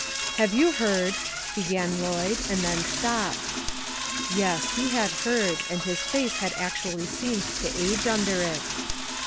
"Have you heard," began Lloyd, and then stopped. Yes, he had heard, and his face had actually seemed to age under it.